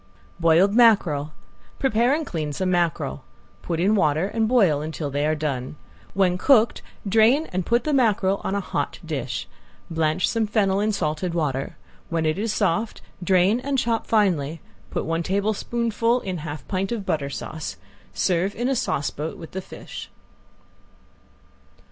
~BOILED MACKEREL~ Prepare and clean some mackerel. Put in water and boil until they are done. When cooked, drain and put the mackerel on a hot dish. Blanch some fennel in salted water. When it is soft drain and chop finely. Put one tablespoonful in half pint of butter sauce. Serve in a sauce boat with the fish.